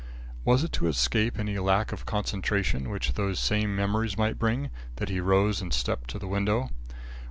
Was it to escape any lack of concentration which these same memories might bring, that he rose and stepped to the window?